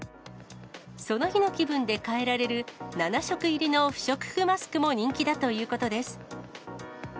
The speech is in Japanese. その日の気分でかえられる、７色入りの不織布マスクも人気だということです。